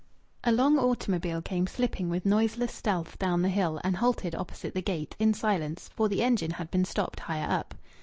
A long automobile came slipping with noiseless stealth down the hill, and halted opposite the gate, in silence, for the engine had been stopped higher up.